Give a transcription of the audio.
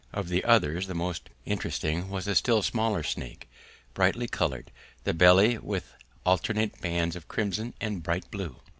Of the others the most interesting was a still smaller snake, brightly coloured, the belly with alternate bands of crimson and bright blue.